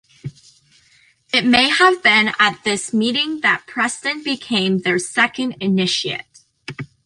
It may have been at this meeting that Preston became their second initiate.